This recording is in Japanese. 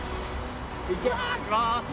いきまーす